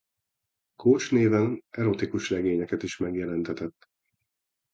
Coach néven erotikus regényeket is megjelentetett.